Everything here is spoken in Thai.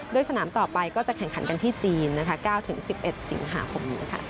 โดยสนามต่อไปก็จะแข่งขันกันที่จีน๙๑๑สิงหาคมนี้